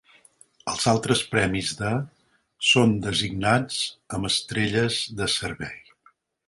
Els altres premis de són designats amb estrelles de servei.